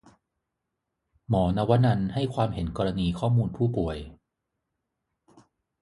หมอนวนรรณให้ความเห็นกรณีข้อมูลผู้ป่วย